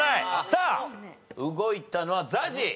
さあ動いたのはＺＡＺＹ。